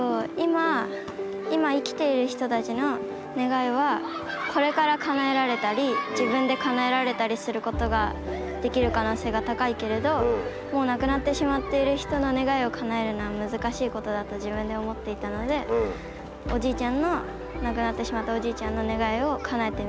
今生きている人たちの願いはこれからかなえられたり自分でかなえられたりすることができる可能性が高いけれどもう亡くなってしまっている人の願いをかなえるのは難しいことだと自分で思っていたのでおじいちゃんの亡くなってしまったおじいちゃんの願いをかなえてみようと思いました。